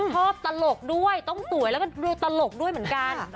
ตลกด้วยต้องสวยแล้วก็ดูตลกด้วยเหมือนกัน